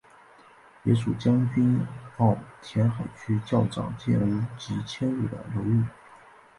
也属将军澳填海区较早建屋及迁入的楼宇。